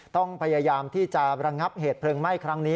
ต้องพยายามที่จะระงับเหตุเพลิงไหม้ครั้งนี้